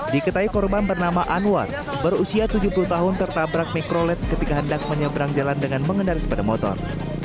diketahui korban bernama anwar berusia tujuh puluh tahun tertabrak mikrolet ketika hendak menyeberang jalan dengan mengendari sepeda motor